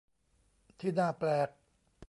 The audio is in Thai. ที่น่าแปลก ?